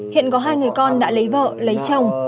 hiện có hai người con đã lấy vợ lấy chồng